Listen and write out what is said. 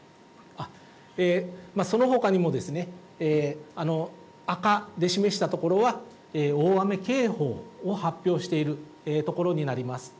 そのほかにも、赤で示した所は、大雨警報を発表している所になります。